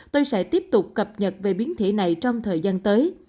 tôi sẽ tiếp tục cập nhật về biến thể này trong thời gian tới